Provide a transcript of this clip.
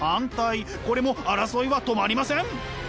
これも争いは止まりません。